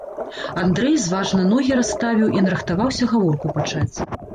Андрэй зважна ногі расставіў і нарыхтаваўся гаворку пачаць.